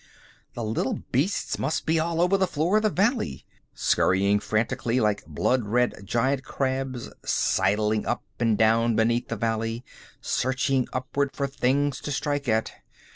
The little beasts must be all over the floor of the valley! Scurrying frantically, like blood red giant crabs, sidling up and down beneath the valley, searching upward for things to strike at.